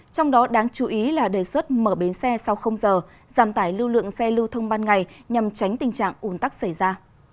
trong đó đáng chú ý là đề xuất mở bến xe sau không giờ giảm tải lưu lượng xe lưu thông ban ngày nhằm tránh tình trạng ủn tắc xảy ra